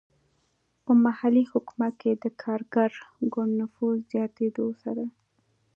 په محلي حکومت کې د کارګر ګوند نفوذ زیاتېدو سره.